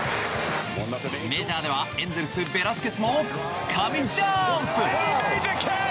メジャーではエンゼルスベラスケスも神ジャンプ！